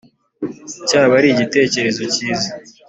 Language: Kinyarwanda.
cyaba ari igitekerezo cyiza .